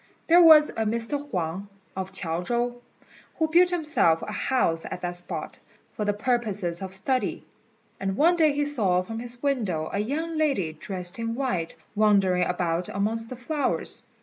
There was a Mr. Huang, of Chiao chow, who built himself a house at that spot, for the purposes of study; and one day he saw from his window a young lady dressed in white wandering about amongst the flowers.